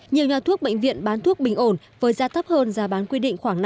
nhiều nhà thuốc bệnh viện bán thuốc bình ổn với giá thấp hơn giá bán quy định khoảng năm mươi